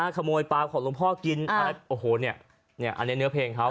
ขโมยปลาของหลวงพ่อกินอะไรโอ้โหเนี่ยอันนี้เนื้อเพลงเขา